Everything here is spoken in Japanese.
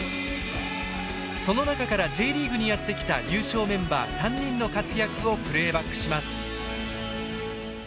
その中からＪリーグにやって来た優勝メンバー３人の活躍をプレーバックします。